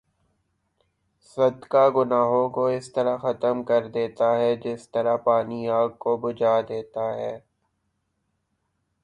صدقہ گناہوں کو اس طرح ختم کر دیتا ہے جس طرح پانی آگ کو بھجا دیتا ہے